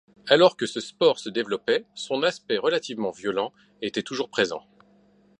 Alors que ce sport se développait, son aspect relativement violent était toujours présent.